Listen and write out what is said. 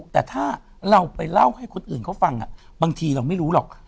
แต่ถ้าเราไปเล่าให้คนอื่นเขาฟังบางทีเราไม่รู้หรอก